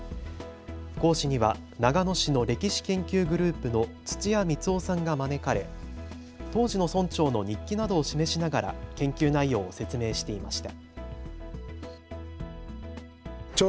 講師には長野市の歴史研究グループの土屋光男さんが招かれ当時の村長の日記などを示しながら研究内容を説明していました。